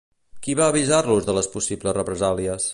Qui va avisar-los de les possibles represàlies?